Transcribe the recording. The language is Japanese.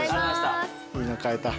いいの買えた。